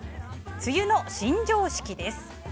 梅雨の新常識です。